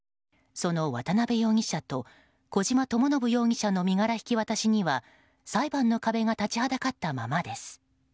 その渡辺容疑者と小島智信容疑者の身柄引き渡しには裁判の壁が立ちはだかったままです。